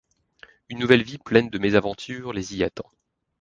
Une nouvelle vie pleine de mésaventures les y attend...